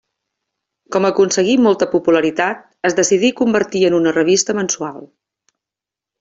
Com aconseguí molta popularitat, es decidí convertir en una revista mensual.